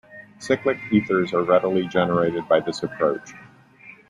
Cyclic ethers are readily generated by this approach.